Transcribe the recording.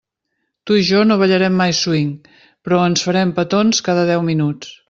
Tu i jo no ballarem mai swing, però ens farem petons cada deu minuts.